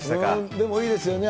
でもいいですよね。